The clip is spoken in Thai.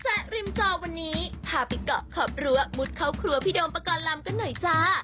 ริมจอวันนี้พาไปเกาะขอบรั้วมุดเข้าครัวพี่โดมประกอบลำกันหน่อยจ้า